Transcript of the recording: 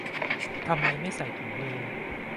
ทำไมไม่ใส่ถุงมือ